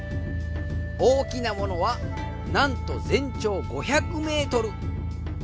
大きなものはなんと全長５００メートル。